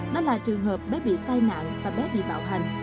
đó là trường hợp bé bị tai nạn và bé bị bạo hành